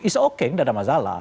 it's okay nggak ada masalah